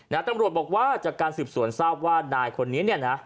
ตำรวจบอกว่าจากการสืบสวนทราบว่านายคนนี้เนี่ยนะ